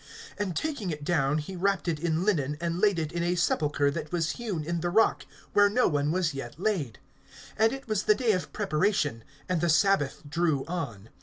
(53)And taking it down, he wrapped it in linen, and laid it in a sepulchre that was hewn in the rock, where no one was yet laid. (54)And it was the day of preparation, and the sabbath drew on.